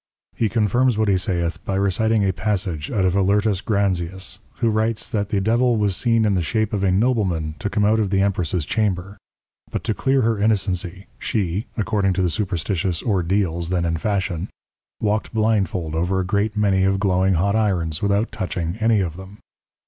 _ He confirms what he saith by reciting a Passage out of Alertus Granzius, who writes that the Devil was seen in the shape of a Nobleman to come out of the Empress's Chamber: But to clear her Innocency, she (according to the superstitious Ordeals then in fashion) walked blindfold over a great many of glowing hot Irons without touching any of them.